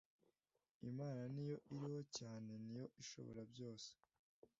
Imana ni yo iriho cyane ni yo ishobora byose.